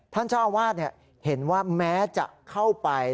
ท่านเจ้าอาวาสเห็นว่าแม้จะเข้าไป